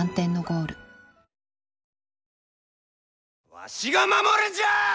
わしが守るんじゃあ！